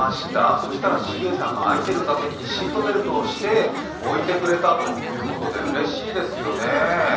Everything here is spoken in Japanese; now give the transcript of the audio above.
そうしたらＣＡさんが空いている座席にシートベルトをして置いてくれたということで、うれしいですよね。